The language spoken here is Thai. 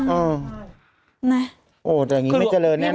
เออนะโอ้แต่อย่างนี้ไม่เจริญแน่น